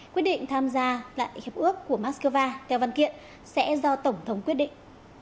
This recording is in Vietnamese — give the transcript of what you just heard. quyết định tham gia lại hiệp ước của moscow theo văn kiện sẽ do tổng thống quyết định